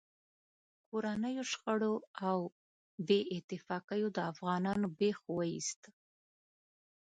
کورنیو شخړو او بې اتفاقیو د افغانانو بېخ و ایست.